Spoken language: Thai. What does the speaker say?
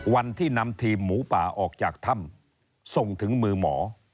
วันที่นำทีมหมูป่าออกจากถ้ำส่งถึงมือหมอ